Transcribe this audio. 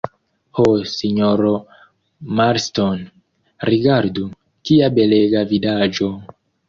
Ho, sinjoro Marston, rigardu, kia belega vidaĵo!